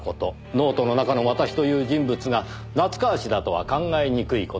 ノートの中の「私」という人物が夏河氏だとは考えにくい事。